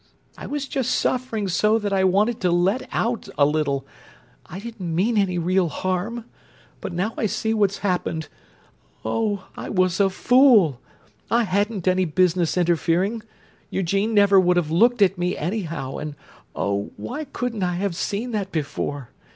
I was just suffering so that I wanted to let out a little—I didn't mean any real harm. But now I see what's happened—oh, I was a fool! I hadn't any business interfering. Eugene never would have looked at me, anyhow, and, oh, why couldn't I have seen that before!